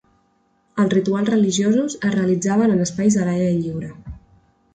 Els rituals religiosos es realitzaven en espais a l'aire lliure.